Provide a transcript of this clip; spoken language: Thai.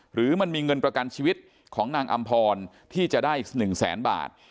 หรือมันมีเงินประกันชีวิตของนางอำพรที่จะได้๑แสนบาท